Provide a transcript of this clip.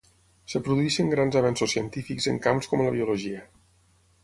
Es produeixen grans avenços científics en camps com la biologia.